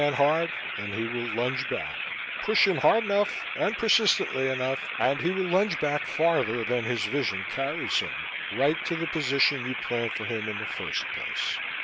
Push a man hard and he will lunge back; push him hard enough and persistently enough, and he will lunge back farther than his vision carries him, right to the position you planned for him in the first place.